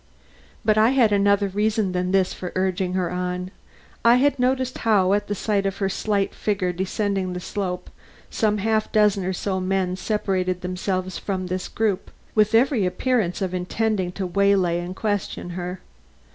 But I had another reason than this for urging her on. I had noticed how, at the sight of her slight figure descending the slope, some half dozen men or so had separated themselves from this group, with every appearance of intending to waylay and question her.